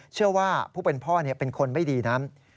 เชื่อว่าผู้เป็นพ่อเป็นคนไม่ดีนั้น